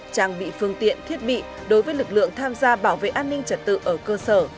trang bị phương tiện thiết bị đối với lực lượng tham gia bảo vệ an ninh trật tự ở cơ sở